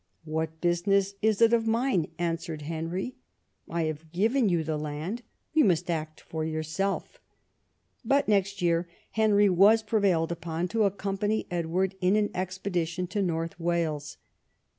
" What business is it of mine 1 " answered Henry ;" I have given you the land. You must act for yourself." But next year Henry was prevailed upon to accompany Edward in an expedition to North Wales.